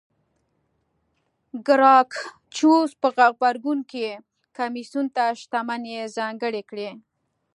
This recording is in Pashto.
ګراکچوس په غبرګون کې کمېسیون ته شتمنۍ ځانګړې کړې